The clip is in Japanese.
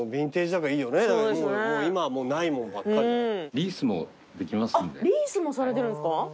リースもされてるんですか？